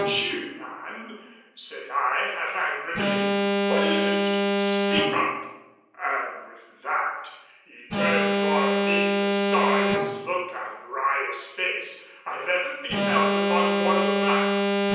"Chut, man," said I half angrily, "what is it? Speak up!" And with that he turned toward me the sorriest look and wryest face I have ever beheld upon mortal man.